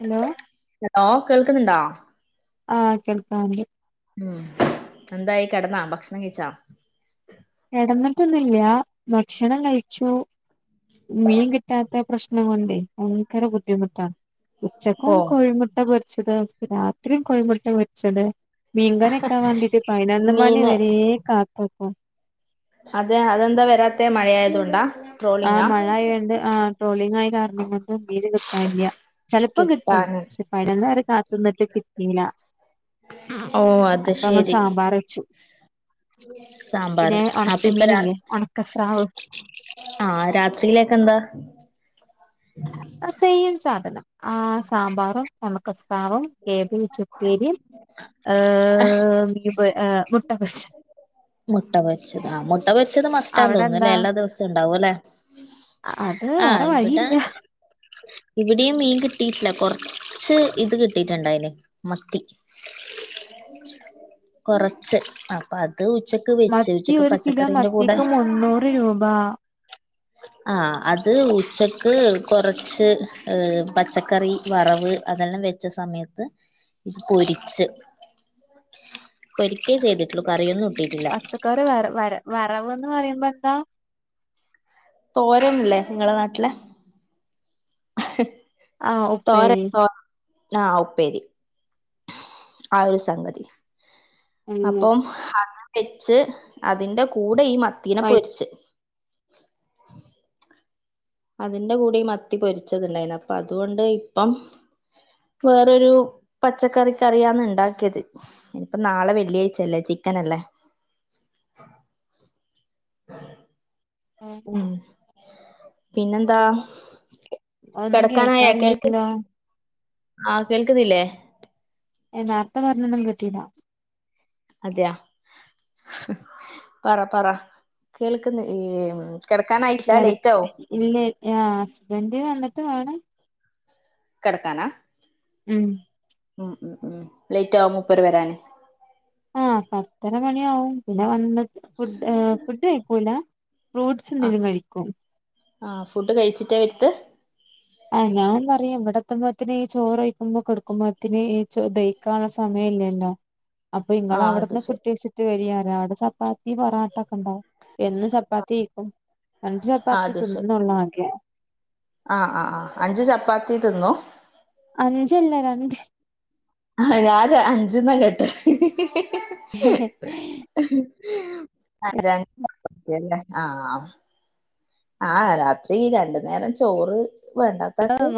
Hello hello കെ ക് ന്നുണ്ടോ ആ കേൾക്കാണ്ട് ഉം എന്തായി കിടന്നാ ഭക്ഷണം കഴിച്ചാ കിടന്നിട്ടൊന്നില്ല ഭക്ഷണം കഴിച്ചു മീൻ കിട്ടാത്ത പ്രശ്നം കൊണ്ടേ ഭയങ്കര ബുദ്ധിമുട്ടാണ് ഓ ഉച്ചക്കും കോഴിമുട്ട പൊരി ച്ചത് [unintelligible] രാത്രിയും കോയിമുട്ട പൊരിച്ചത് മീൻകറി വെക്കാൻ വേണ്ടീട്ട് പയ്നൊന്ന് മണി മീന് വരേ കാ [unintelligible] അതെ അതെന്താ വരാത്തെ മഴയായതുകൊണ്ടാ ആ ട്രോളിങ്ങാ മഴ ആയതൊണ്ട് ആ ട്രോളിംഗ് ആയ കാരണം കൊണ്ട് മീന് കിട്ടാനില്ല ചിലപ്പം കിട്ടും കിട്ടാന് പക്ഷേ പതിനൊന്ന് വരെ കാത്ത് നിന്നിട്ട് കി ട്ടീല ആ ഓ അത് ശരി വെച്ചു സാമ്പാറ് പിന്നെ അത് ഇപ്പൊ രാ ഒണക്കമീനില്ലേ ഒണക്കസ്രാവ് ആ രാത്രിയിലേക്ക്‌ എന്താ അ സെയിം സാ ആ സാമ്പാറും ഉണക്കസ്രാവും കേബേജ് ഉപ്പേരിയും ആ എ മുട്ട കൊച്ച മുട്ട പൊരിച്ചത് ആ മു ട്ട പൊരിച്ചത് മസ്റ്റാ അവിടെ തോന്നു എന്താ അല്ലേ എല്ലാ ദിവസവും ഉണ്ടാവും അല്ലേ അത് വേറെ വഴിയില്ല ഇവിടെയും മീൻ കിട്ടിയിട്ടില്ല കൊർച്ച് ഇത് കിട്ടിട്ടുണ്ടായിന് മത്തി കുറച്ച് അപ്പൊ അത് ഉച്ചക്ക് വെച്ച് മത്തി ഉച്ചക്ക് ഒരു കിലോ പച്ചക്കറിന്റെ മത്തിക്ക് മുന്നൂറ് രൂപ ആ അത് ഉച്ചക്ക് കുറച്ച് ഏ പച്ചക്കറി വറവ് അതെല്ലാം വെച്ച സമയത്ത് ഇത് പൊരിച്ച് പൊരിക്കേ ചെയ്തിട്ടുള്ളൂ കറിയൊന്നും ഇല്ല പച്ചക്കറി വ വര വറവ്ന്ന് പറയുമ്പോ എന്താ തോരന്ൻല്ലേ നിങ്ങളെ നാട്ടിലെ ആ ഉപ്പേരി ആ ഉപ്പേരി ആ ഒരു സംഗതി അങ്ങനെ അപ്പം വെച്ച് അതിന്റെ കൂടെ ഈ മത്തീനെ പൊരിച്ച് അതിന്റെ കൂടെ ഈ മത്തി പൊരിച്ചത്ണ്ടായിരുന്നു അപ്പൊ അതുകൊണ്ട് ഇപ്പം വേറൊരു പച്ചക്കറി കറിയാണ് ഉണ്ടാക്കിയത് ഇനിപ്പ നാളെ വെള്ളിയാഴ്ച്ചല്ലേ ചിക്കൻ അല്ലേ ഉം പിന്നെന്താ എന്താ ഒന്നും കിടക്കാനായ കേൾക്ക കേൾക്കാനില്ലല്ലോ ആഹ് കേൾക്കുന്നില്ലേ ഏ നേർത്തെ പറഞ്ഞൊന്നും കിട്ടീല്ലാ അതെയ പറ പറ കേൾക്കുന്ന് ഈ കിടക്കാനായിട്ടില്ല കെട ലേറ്റ് ആവും ഇല്ല ആ ഹസ്ബൻഡ് വന്നിട്ട് വേണം കിടത്താനാ ഉം ഉം ഉം ലേറ്റാവാ മുപ്പര് വരാന്? ആഹ് പത്തര മണിയാവും പിന്നെ വന്ന് ഫുഡ് ഫുഡ് കഴിക്കൂല ഫ്രൂട്ട്സ്ന്തേലും കഴിക്കും ആഹ് ഫുഡ് കഴിച്ചിട്ടേ വരുത് ആഹ് ഞാൻ പറയും ഇവിടെ എത്തുമ്പോഴ്ത്തിന് ഈ ചോറ്കഴിക്കുമ്പോ കെടുക്കുമ്പോത്തിന് ഈ ദഹിക്കാനുള്ള സമയം ഇല്ലല്ലോ അപ്പൊ ആ ഇങ്ങൾ അത് അവിടുന്ന് ഫുഡ് ശരി കയ്ച്ചിട്ട് വരിയാ അവിടെ ചപ്പാത്തി പറാട്ടക്കെ ഉണ്ടാവും എന്നും ചപ്പാത്തിയിരിക്കും അഞ്ച് ആ ചപ്പാത്തി അത് ശരി തിന്നണുള്ളു ആകെ ആ ആ ആ അഞ്ച് ചപ്പാത്തി തിന്നു അഞ്ചല്ല രണ്ട് ആഹ് ഞാൻ അഞ്ചെന്ന കേട്ടെ ഹി ഹി അതെ അതന്നേ ആഹ് ആഹ് രാത്രി രണ്ടു നേരം ചോറ് വേണ്ടത്താക്ക്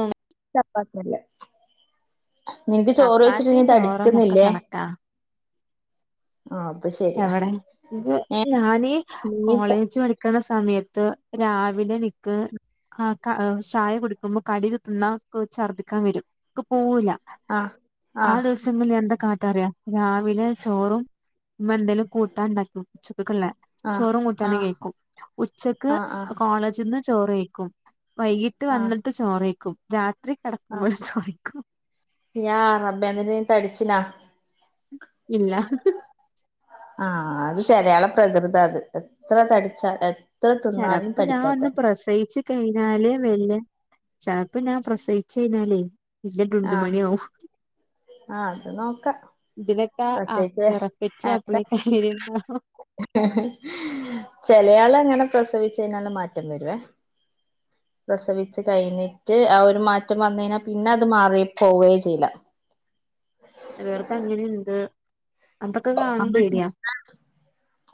പത്തല്ല നിനക്ക് ചോറ് വച്ചിട്ട് നീ ചപ്പാത്തിയും ചോറും ഒക്കെ തടിക്കുന്നില്ലേ? കണക്കാ ആഹ് അപ്പൊ ശരിയാ എവിടെ ഇത് ഏ ഞാന് നീ കോളേജ് പഠിക്കുന്ന സ സമയത്ത് രാവിലെ എനിക്ക് ആഹ് ചായ കുടിക്കുമ്പോ കടിയൊക്കെ തിന്നാ ഛർദിക്കാൻ വരും ക്ക് പോവൂല ആഹ് ആ ആഹ് ദിവസങ്ങളിൽ എന്താ കാട്ടാറിയ രാവിലെ ചോറും ഇമ്മ എന്തെങ്കിലും കൂട്ടാൻ ഉണ്ടാക്കും ഉച്ച ക്ക്ള്ളെ ആഹ് ചോറും കൂട്ടാനും ആഹ് കയ്ക്കും ഉച്ചക്ക് ആഹ് ആഹ് കോളേജിന്ന് ചോറ് കയ്ക്കും. വൈകീട്ട് ആഹ് വന്നിട്ട് ചോറയ്ക്കും. രാ ത്രി ആഹ് കിടക്കുമ്പോൾ ചോറ് കയ്ക്കും. യാ റബ്ബേ ന്നിട്ട് നീ തടിച്ചിനാ? ഇല്ല ആഹ് അത് ചെലയാളെ പ്രകൃത അത് എത്ര തടിച്ചാല ചിലപ്പോ ഞാൻ ഒന്ന് പ്രസയിച്ച് കഴിഞ്ഞാലേ വല്യ. ചെലപ്പോ ഞാൻ പ്രസയിച്ച് കഴിഞ്ഞാലേ വല്യ ടുണ്ടുമണിയാവു ആ അത് നോക്ക. ആ പ്രസയിച്ചുഏട്ടെ. പെറപ്പിച്ച് അപ്പളെ കാര്യണ്ടാവും ചെല ആൾ അല്ല അങ്ങനെ പ്രസവിച്ച് കയിഞ്ഞാൽ മാറ്റം വരുവെ പ്രസവിച്ച് കഴിഞ്ഞിട്ട് ആ ഒരു മാറ്റം വന്ന് കഴിഞ്ഞാല് പിന്നെ അത് മാറി പോവുകയെ ചെയ്യില്ല ചിലവർക്ക് അങ്ങനെയുണ്ട്. [unintelligible]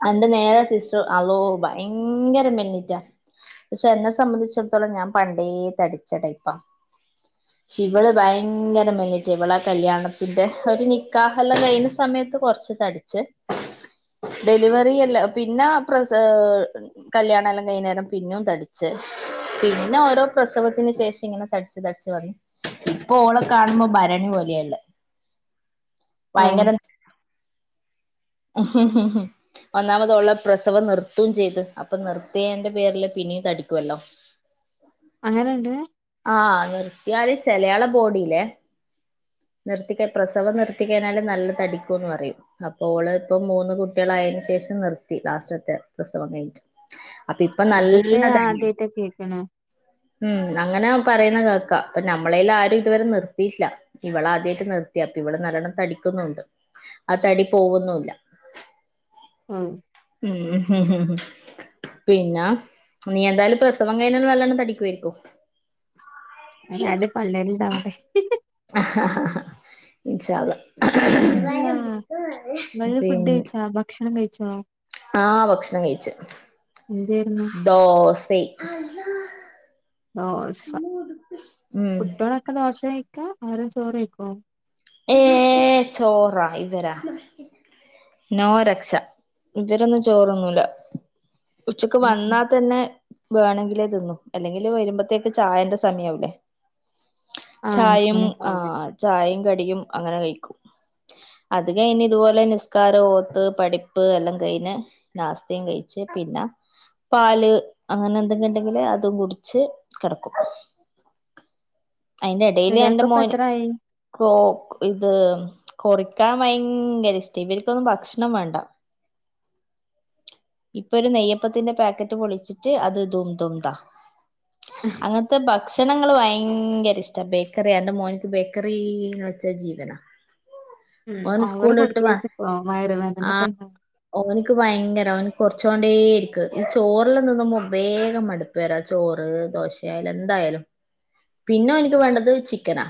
എന്റെ നേരെ സിസ്റ്ററ് അള്ളോ ഭയങ്കര മെലിഞ്ഞിട്ടാ. പക്ഷെ എന്നെ സംബന്ധിച്ചിടത്തോളം ഞാൻ പണ്ടേ തടിച്ച ടൈപ്പാ. പക്ഷെ ഇവള് ഭയങ്കര മെലിഞ്ഞിട്ടാ ഇവളാ കല്യാണത്തിന്റെ ഒരു നിക്കാഹെല്ലാം കഴിഞ്ഞ സമയത്ത് കുറച്ച് തടിച്ച്. ഡെലിവറി എല്ല പിന്നെ പ്രസ കല്യാണേല്ലാം കഴിയുന്നേരം പിന്നേം തടിച്ച്. പിന്നെ ഓരോ പ്രസവത്തിന് ശേഷം ഇങ്ങനെ തടിച്ച് തടിച്ച് വന്നി ഇപ്പൊ ഓളെ കാണുമ്പോ ഭരണി പോലെയളെ ഓ ഭയങ്കരം ഒന്നാമതെ ഓൾടെ പ്രസവം നിർത്തും ചെയ്ത്. അപ്പൊ നിർത്തിയെന്റെ പേരില് പിന്നേം തടിക്കുവല്ലോ. അങ്ങനെണ്ട് ആഹ് നിർത്തിയാല് ചിലയാൾടെ ബോഡില്. നിർത്തിക്ക പ്രസവം നിർത്തി കഴിഞ്ഞാല് നല്ല തടിക്കുന്ന്‌ പറയും. ഓള് ഇപ്പം മൂന്ന് കുട്ടികളായേന് ശേഷം നിർത്തി ലാസ്റ്റത്തെ പ്രസവം കഴിഞ്ഞിട്ട് അപ്പൊ ഇപ്പൊ നല്ല ഇതിപ്പിയാ ആദ്യേട്ടാ കേക്കണെ മ്മ്. അങ്ങനെ പറയുന്ന കേൾക്കാ. പ്പ ഞമ്മളെൽ ആരും ഇതുവരെ നിർത്തിട്ടില്ല. ഇവള് ആദ്യായിട്ട് നിർത്തി. അപ്പ ഇവള് നല്ലോണം തടിക്കുന്നുണ്ട്. ആ തടി പോവുന്നുല്ലാ ങാ മ്മ്. [unintelligible] പിന്നെ നീ എന്തായാലും പ്രസവം കഴിഞ്ഞ്‌ നല്ലോണം തടിക്കുവാരിക്കും. അയ്ന് ആദ്യം പിള്ളേര് ഇണ്ടാവട്ടെ [inaudible] ങ അല്ല. വള്ളി ഫുഡ്‌ കയിച്ചാ ഭക്ഷണം കയ്യി [inaudible] ആ ഭക്ഷണം കഴിച്. എന്തേര്ന്നു ദോസ് തെയ്യ് ദോസ ഉം കുട്ട്യോളൊക്കെ ദോസ കയി ക്ക അവര് ചോറ് കയിക്കോ? ഏ ചോറാ ഇവരാ. നോ രക്ഷ. ഇവരൊന്നും ചോറൊണുല്ല ഉച്ചക്ക് ഉം വന്നാ ഉം തന്നെ വേണേങ്കില്ലേ തിന്നു. അല്ലെങ്കില് വരുമ്പോത്തേക്ക് ചായേന്റെ സമയാവില്ലേ ആ അഞ്ച് ചായയും മണിയൊക്കെ ആ ആവുംല്ലേ ചായയും യും അങ്ങനെ കയിക്കും. അത് കയിഞ്ഞ് ഇതുപോലെ നിസ്കാരം, ഓത്ത്, പഠിപ്പ് എല്ലാം കഴിഞ്ഞ് നാസ്തയും കഴിച്ച് പിന്നെ പാല് അങ്ങനെ എന്തെങ്കെണ്ടെങ്കില് അത് കുടിച്ച് കെടക്കും. അയിന്റെ എടേല് എന്റെ മോന് ചെറിയാൾക്കിപ്പത്രായി ഓ ഇത് കൊറിക്കാൻ ഭയങ്കര ഇഷ്ടേ. ഇവര്ക്കൊന്നും ഭക്ഷണം വേണ്ട ഇപ്പൊ ഒരു നെയ്യപ്പത്തിന്റെ പാക്കറ്റ് പൊളിച്ചിട്ട് അത് ദും ദും താ അങ്ങനത്തെ ഭക്ഷ് ക്ഷണങ്ങള് ഭയങ്കര ഇഷ്ട ബേക്കറിയണ്ട് മോന്ക്ക് ബേക്കറീന്ന് വെച്ച ജീവനാ ഉം ഓന് ഓവറ് സ്കൂളിട്ട് വാ കൊടുക്കെരുതിട്ടോ വയറ് വേദനെക്ക ണ്ടാവും ക്കുവായി രാ ഓന് കൊറിച്ചോണ്ടേ ഇരിക്ക് ഈ ചോറിലൊന്നൊന്നും മൊ വേഗം മടുപ്പെരാ ചോറ് ദോശയാലും എന്തായാലും പിന്നെ ഓന്ക്ക് വേണ്ടത് ചിക്കനാ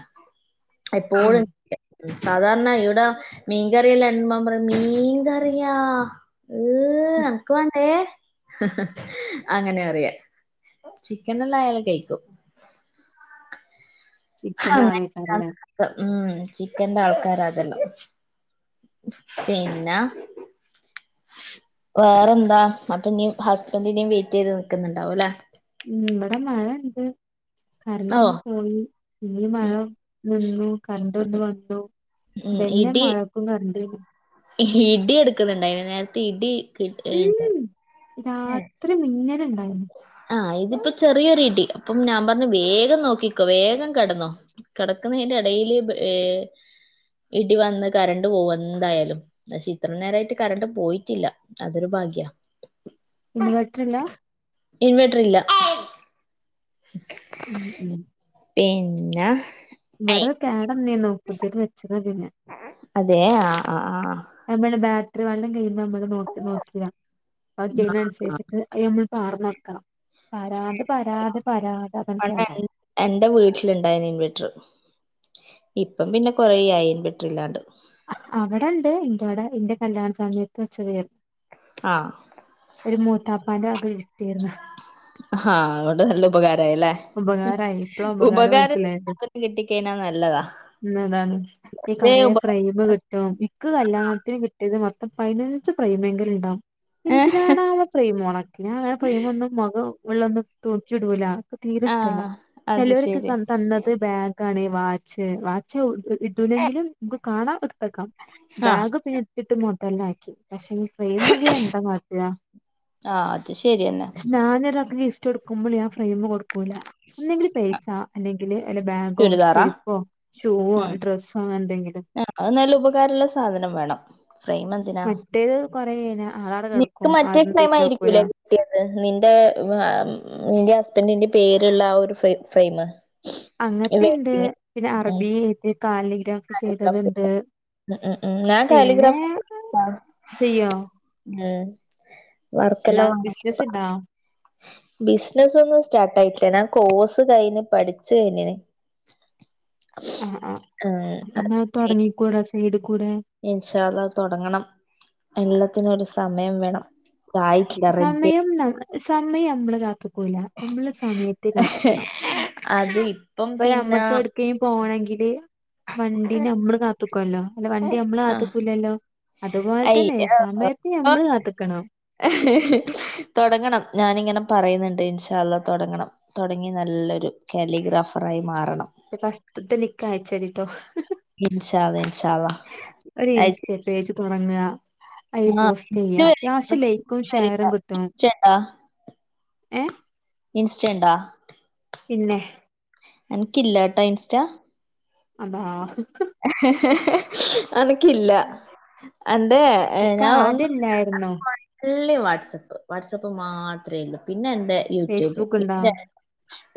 എപ്പോഴും ഉം എ സാധാരണ ഇവിടെ മീൻകറിയെല്ലാ ഇടുമ്പ അവൻ പറയും മീൻകറിയാ ഈഹ് എനക്ക് വേണ്ടേ അങ്ങനെ പറയ ചിക്കനെല്ലായാലും കയ്ക്കും ചിക്കന്റെ ആളേക്കാരല്ലേ [unintelligible] ഉം ചിക്കന്റ ആൾ തരാതല്ലോ പിന്ന വേറെന്താ അപ്പ നീ ഹസ്ബന്റിനെയുനും വെയിറ്റ് ചെയ്ത് നിക്കുന്നുണ്ടാവും അല്ലെ ഉം ഇവട മഴണ്ട് ഓ കരണ്ടൊന്ന് പോയി ഇടീം ഉം മഴേം നിന്നു കരണ്ടൊന്ന് വന്നു ഉം ബെന്നെ ഇടി മഴക്കും കറണ്ടും ഇടി എടുക്കുന്നുണ്ടായി നേരത്തെ ഇടി ഏതാ ഉം രാത്രി മിന്നലു ആ ആഹ് ഇതിപ്പോ ചെറിയൊരു ഇടി അപ്പം ഞാൻ പറഞ്ഞു വേഗം നോക്കിക്കോ വേഗം കെടന്നോ കെടക്കുന്നേന്റെ എടേല് ഏ ഇടി വന്ന് കറണ്ട് പോവും എന്തായാലും പക്ഷെ ഇത്ര നേരായിട്ട് കറണ്ട് പോയിട്ടില്ല അതൊരു ഭാഗ്യാ ഇൻവേർട്ടറില്ല ഇൻവേർട്ടറില്ല ഉം ഉം പിന്നാ ഇവട കേടനീന്നൊ പുതിയത് വെച്ചതിന്നൊന്നുല്ല അതെ ആ ആ ആ [unintelligible] ഒരു വള്ളം കയ്യ് നമ്മള് നോട്ട് നോക്കീലേ അത് ചെയ്യുന്ന അനുശേഷിട്ട് നമ്മള് പാർ ക്ക പണ്ട് എൻ കേടന്നത് എന്റ വീട്ടിലുണ്ടായിനി ഇൻവെർട്ടർ ഇപ്പം പിന്ന കൊറേ ആയി ഇൻവെർട്ടറില്ലാണ്ട് അ അവിടെണ്ട് ഇന്റവിട ഇന്റെ കല്യാണ സമയത്ത് വച്ചതേർ ആ പന അഗ കിട്ടീരുന്നു ആ അതൊണ്ട് നല്ല ഉപകാര ഉപകാരായി ഇപ്പളാ ഉപകാരം മനസിലായത് കിട്ടിക്കഴിഞ്ഞാ നല്ലതാ ഇന്നതാണ് ഈ ഏ കറേ ഉപ ഫ്രയ്മ് കിട്ടും ഇക്ക് കല്യാണ കിട്ടിയത് മൊ അപയിനഞ്ച് ഫ്രയിമെങ്കിലും ഇണ്ടാവും ഏ എന്തിനാണാവോ ഫ്രെയിമൊണൊക്കെ അങ്ങനെ ഫ്രെയിമൊന്നും മൊഖം വെള്ളന്ന് തോ ചുടൂല തീരെ ഇഷ്ടല്ല ആഹ് അത് ചിലവരൊക്കെ ശരി തന്നത് ബാഗ വേണേ വാച്ച് വാച്ച് ഇടൂലങ്കിലും നമുക്ക് കാണാ ഇടത്തക്ക ആഹ് ബാഗ് പിന്നെ കിട്ടുമോട്ടും എല്ലാം ആക്കി പക്ഷെ ഫ്രെയിംമൊക്കെ എന്താ കാട്ടാ ആഹ് അത് ശരിയെന്നെ പക്ഷെ ഞാനൊരു അഭി ഇനിഗിഫ്റ്റ് കൊടുക്കുമ്പോളെ ഞാൻ ഫ്രെയിംകോടും ഒക്കൂല ഒന്നെങ്കി പൈസ അല്ലെങ്കില് വല്ല ബാഗോ ചുരിദാറാ ചെരുപ്പോ ഷൂവോ ഉം ഡ്രസ്സോ അങ്ങനെ എന്തെങ്കിലും അത് നല്ല ഉപകാരമുള്ള സാധനം വേണം ഫ്രെയിം എന്തിനാ മറ്റേത് കൊറേ കഴിഞ്ഞാ അതവിടെ നിനക്ക് കിടക്കും മറ്റേ ആരും ഫ്രെയിം തിരിഞ്ഞു നോക്കൂല ആയിരിക്കുംല്ലേ കിട്ടിയത് നിന്റെ നിന്റെ അത്തന്റെ പേരുള്ള ആ ഒരു ഫ ഫ്രെയിം അങ്ങത്തെുണ്ട് പിന്നെ അറബിത് കാലിഗ്രാഫി ചെയ്തതുണ്ട് ഞാൻ പിന്നെ കാലിഗ്രാഫി ചെയ്യോ ആഹ് എന്നാ വർക്കെല്ലാം വാങ്ങി ബിസിനസ് ഇണ്ടോ ബിസിനസ് ഒന്നും സ്റ്റാർട്ട് ആയിട്ടില്ല ഞാൻ കോഴ്സ് കഴിഞ്ഞു പഠിച്ചു കഴിയിഞ്ഞിന് [inaudible] ആഹ ആ് അപ്പൊ എന്നാ തുടങ്ങിക്കൂട വീട് ഇൻഷാ അല്ല തുടങ്ങണം എല്ലാത്തിനും ഒരു സമയം വേണം ആയിട്ടില്ല റെഡ്ഡിയ സമയം നമ്മ സമയം നമ്മളെ കാത്ത് ക്കൂല നമ്മള് സമയത്തെ കാത്ത് നിക്കണം അത് ഇപ്പം പ്പോ ഒരു പിന്നെ അമ്മക്ക് എവിക്കെങ്കിളും പോണമെങ്കിൽ ങ്കിൽ വണ്ടിന നമ്മള് കാത്തു നിക്കുവല്ലോ അല്ല വണ്ടി നമ്മള് ആഹ് കാത്ത്ക്കൂല്ലല്ലോ അതുപോലെ അയ് തന്നെ സമയത്തെ അപ്പൊ നമ്മള് കാത്തിക്കണം തൊടങ്ങണം ഞാനിങ്ങനെ പറയുന്നുണ്ട് ഇൻഷാ തുടങ്ങണം തുടങ്ങി നല്ലൊരു കാലിഗ്രാഫറായി മാറണം അത് ഫഷ്ട്ടത്തെ നിക്കയച്ചരിട്ടോ ഇൻഷാ അല്ല ഒരു ഇൻസ്റ്റ പേജ് തുടങ്ങാ അ പോസ്റ്റ് ചെയ്യാ അത്യാവശ്യം ലൈക്കും ഷെയറും കിട്ടും ഏ ഇൻസ്റ്റന്റാ പിന്നെ എനക്ക്ില്ല ട്ടാ ഇൻസ്റ്റ അതാ [unintelligible] അനക്കില്ല എന്തറെ ഇക്ക് ഞാൻ ഒന്ന ആദ്യം ഇല്ലായിരുന്നു വാട്സആപ്പ് വാട്സആപ്പ് മാത്രമേ ഉള്ളൂ പി പിന്നെ എന്റെ യൂട്യൂബ് ഫേസ്ബുക്ക് ഉണ്ടോ എ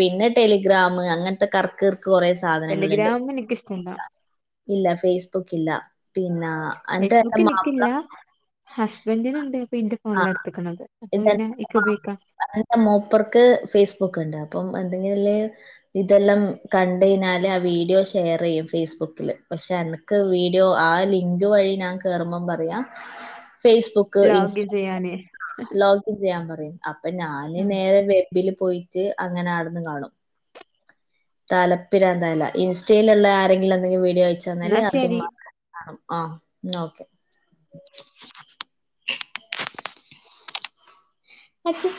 പിന്നെ ടെലിഗ്രാം അങ്ങനത്തെ കർക്കർ കൊറെ സാധനങ്ങളുണ്ട് ടെലിഗ്രാം എനിക്ക് ഇഷ്ടല്ല ഇല്ല ഫേസ്ബുക്ക് ഇല്ല പിന്നെ എന്റെ ഫേസ്ബുക്ക് മാപ്പിള എനിക്കില്ല ഹസ്ബൻഡിനുണ്ട് അപ്പൊ ഇന്റെ ഫോണില ആഹ് എടുത്തക്കണത് അപ്പൊ ഇതെന്റെ പിനെ എക്ക ഉപയോഗിക്കാം എന്റെ മൂപ്പർക്ക് ഫേസ്ബുക്ക് ഉണ്ട്. അപ്പം എന്തെങ്കില് ഇതെല്ലാം കണ്ടഴഞ്ഞാല് ആ വീഡിയോ ഷെയർ ചെയ്യും ഫേസ്ബുക്ക് പക്ഷെ എനക്ക് വീഡിയോ ആ ലിങ്ക് വഴി ഞാൻ കേറുമ്പം പറയാ ഫേസ്ബുക്ക് ഇൻസ്റ്റ ലോഗിൻ ചെയ്യാന് ലോഗിൻ ചെയ്യാൻ പറ്റും [unintelligible] അപ്പ ഞാന്ൻ നേരെ വെബ പോയിട്ട് അങ്ങനെ ആടന്ന് കാണും തലപ്പരന്തല്ല ഇൻസ്റ്റയിലള്ള ആങ്കിലും [unintelligible] ഴിച്ചന്നാേ എന്നാ അതും ശരി കാും ആഹ് നോക്കെ [unintelligible] അഛ